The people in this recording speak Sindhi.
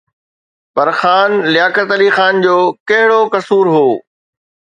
پر خان لياقت علي خان جو ڪهڙو قصور هو؟